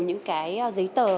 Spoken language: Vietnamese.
những giấy tờ